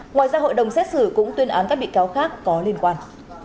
ngoài ra hội đồng xét xử cũng tuyên án các bị cáo khác có liên quan